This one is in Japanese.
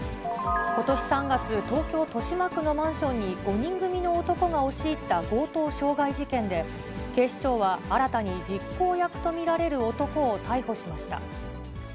ことし３月、東京・豊島区のマンションに５人組の男が押し入った強盗傷害事件で、警視庁は新たに実行役と見られる男を逮捕しました。